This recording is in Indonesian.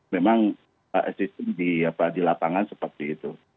memang asisten di lapangan seperti itu